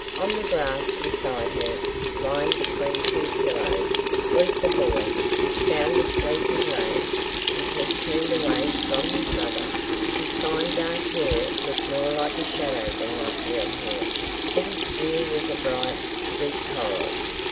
On the grass beside her, lying between two pillows, was the boy. Sound asleep he lay, his head turned away from his mother. His fine dark hair looked more like a shadow than like real hair, but his ear was a bright, deep coral.